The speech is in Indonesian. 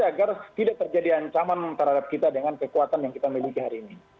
agar tidak terjadi ancaman terhadap kita dengan kekuatan yang kita miliki hari ini